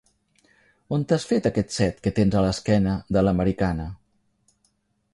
On t'has fet aquest set que tens a l'esquena de l'americana?